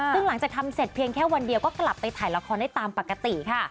ซึ่งหลังจากทำเสร็จเพียงแค่วันเดียวก็กลับไปถ่ายละครได้ตามปกติค่ะ